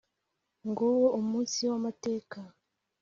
nguwo umunsi w’amateka